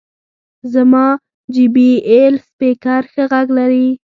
زما جې بي ایل سپیکر ښه غږ لري.